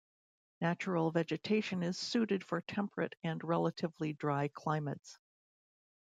Natural vegetation is suited for temperate and relatively dry climates.